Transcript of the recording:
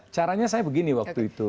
caranya saya begini waktu itu